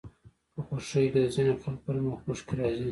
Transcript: په خوښيو کې د ځينو خلکو پر مخ اوښکې راځي